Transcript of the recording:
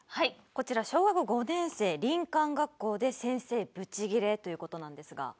こちら「小学５年生林間学校で先生ブチギレ」という事なんですが。